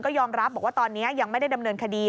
ยอมรับบอกว่าตอนนี้ยังไม่ได้ดำเนินคดี